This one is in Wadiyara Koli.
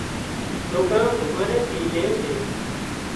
سوڪران ڌُڪاني ٿي لي سي